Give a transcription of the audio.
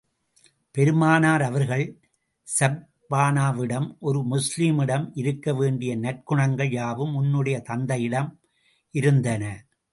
பெருமானார் அவர்கள் ஸஃப்பானாவிடம், ஒரு முஸ்லிமிடம் இருக்க வேண்டிய நற்குணங்கள் யாவும் உன்னுடைய தந்தையிடம் இருந்தன.